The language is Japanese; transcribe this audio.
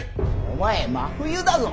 お前真冬だぞ。